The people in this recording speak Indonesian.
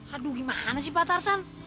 aduh gimana sih pak tarsan